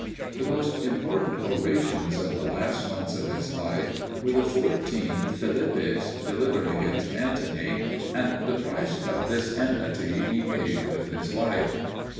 The most important orations of the last months of his life were the fourteen "Philippics" delivered against Antony, and the price of this enmity he paid with his life.